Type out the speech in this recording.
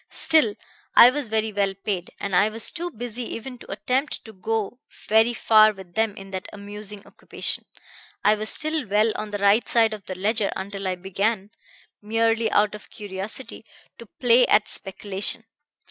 Still, I was very well paid, and I was too busy even to attempt to go very far with them in that amusing occupation. I was still well on the right side of the ledger until I began, merely out of curiosity, to play at speculation.